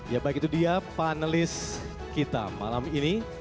ya baik itu dia panelis kita malam ini